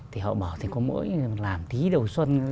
thì họ bảo thì có mỗi làm tí đầu xuân